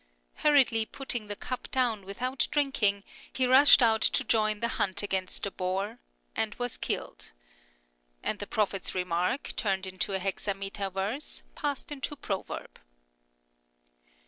Hurriedly putting the cup down without drink ing, he rushed out to join the hunt against the boar, and was killed. And the prophet's remark, turned into a hexameter verse, passed into a proverb.